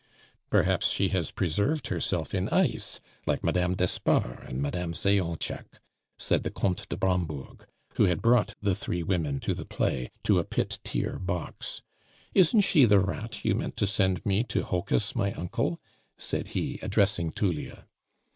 "Perhaps she has preserved herself in ice like Madame d'Espard and Madame Zayonchek," said the Comte de Brambourg, who had brought the three women to the play, to a pit tier box. "Isn't she the 'rat' you meant to send me to hocus my uncle?" said he, addressing Tullia.